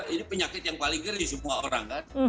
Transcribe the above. ini penyakit yang paling geri semua orang kan